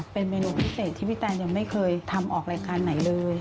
เป็นเมนูพิเศษที่พี่แตนยังไม่เคยทำออกรายการไหนเลย